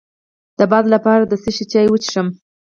د باد لپاره د څه شي چای وڅښم؟